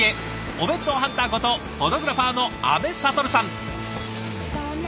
お弁当ハンターことフォトグラファーの阿部了さん。